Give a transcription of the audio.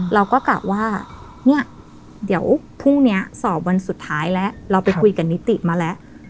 เราก็กลับว่าเนี่ยเดี๋ยวพรุ่งนี้สอบวันสุดท้ายแล้วเราไปคุยกับนิติมาแล้ว